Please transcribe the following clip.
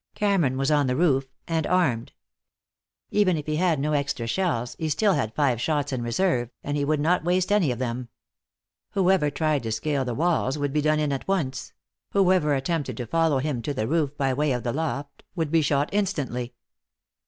Cameron was on the roof, and armed. Even if he had no extra shells he still had five shots in reserve, and he would not waste any of them. Whoever tried to scale the walls would be done in at once; whoever attempted to follow him to the roof by way of the loft would be shot instantly.